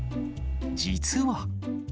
実は。